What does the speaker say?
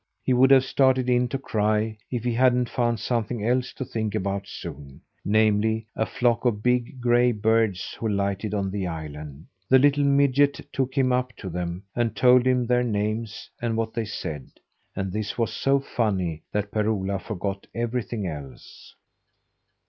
He would have started in to cry if he hadn't found something else to think about soon; namely, a flock of big, gray birds, who lighted on the island. The little midget took him up to them, and told him their names, and what they said. And this was so funny that Per Ola forgot everything else.